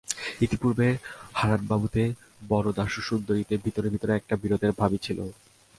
ইতিপূর্বে হারানবাবুতে বরদাসুন্দরীতে ভিতরে ভিতরে একটা বিরোধের ভাবই ছিল।